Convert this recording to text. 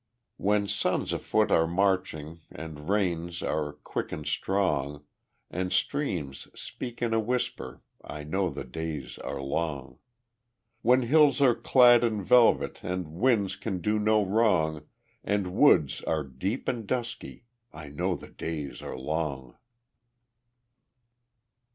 When suns afoot are marching, And rains are quick and strong, And streams speak in a whisper, I know the days are long. When hills are clad in velvet, And winds can do no wrong, And woods are deep and dusky, I know the days are long.